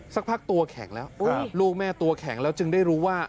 สักพักตัวแข็งแล้วลูกแม่ตัวแข็งแล้วจึงได้รู้ว่า